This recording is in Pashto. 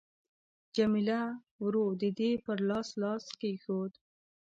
جميله ورو د دې پر لاس لاس ورکښېښود.